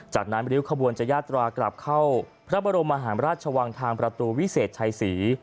จากนั้นริ้วขบวนจะยาตรากลับเข้าพระบรมมหาราชวังทางประตูวิเศษชัยศรี